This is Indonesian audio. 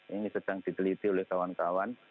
ini sedang diteliti oleh kawan kawan